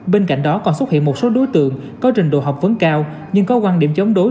bên cạnh đó còn xuất hiện một số đối tượng có trình độ học vấn cao nhưng có quan điểm chống đối